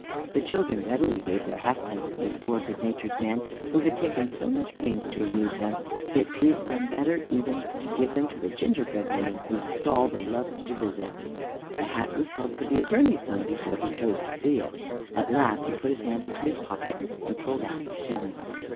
The children readily gave their halfpence to this poor, good natured man, who had taken so much pains to amuse them. It pleased them better even than to give them to the gingerbread woman, whose stall they loved to visit. The hat was held to the Attorney's son before he chose to see it. At last he put his hand into his pocket and pulled out a shilling.